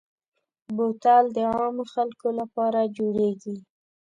بوتل د عامو خلکو لپاره جوړېږي.